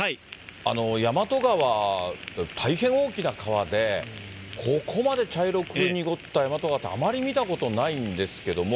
やまと川、大変大きな川で、ここまで茶色く濁ったやまと川ってあまり見たことないんですけども。